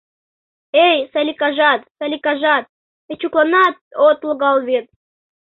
Эй, Саликажат, Саликажат, Эчукланат от логал вет!